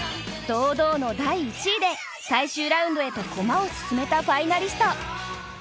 堂々の第１位で最終ラウンドへとコマを進めたファイナリスト